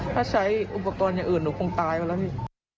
ถ้าใช้อุปกรณ์อื่นผมตายกว่านี้